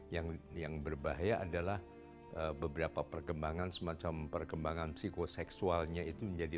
yang yang berbahaya adalah beberapa perkembangan semacam perkembangan psikoseksualnya itu menjadi